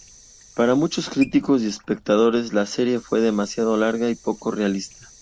Para muchos críticos y espectadores la serie fue demasiado larga y poco realista.